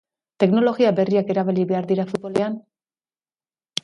Teknologia berriak erabili behar dira futbolean?